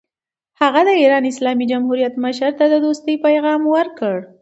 هغه د ایران اسلامي جمهوریت مشر ته د دوستۍ پیغام ورکړ.